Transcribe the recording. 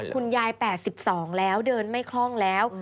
คุณยาย๘๒แล้วเดินไม่คล่องแล้ว